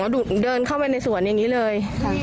โห้หิวจะเดินเข้าไปในสวนอย่างนี้เลย